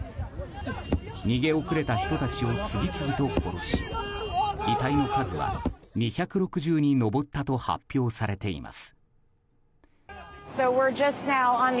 逃げ遅れた人たちを次々と殺し遺体の数は２６０に上ったと発表されています。